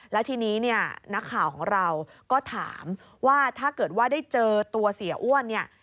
และทีนี้นักข่าวของเราก็ถามว่าถ้าเกิดว่าได้เจอตัวเสียอ้วน